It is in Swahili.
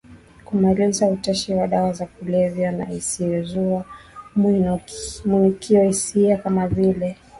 kumaliza utashi wa dawa za kulevya na isiyozua mwinukiohisia kama vile